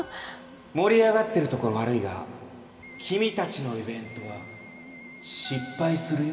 盛り上がってるところ悪いが君たちのイベントは失敗するよ。